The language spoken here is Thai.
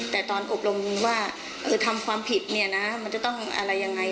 แต่ตอนอบรมว่าทำความผิดเนี่ยนะมันจะต้องอะไรยังไง